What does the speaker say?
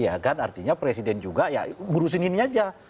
ya kan artinya presiden juga ya ngurusin ini aja